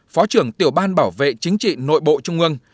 phó trưởng tiểu ban bảo vệ chính trị nội bộ trung ương